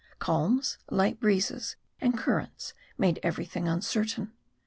Calms, light breezes, and currents made every thing uncertain.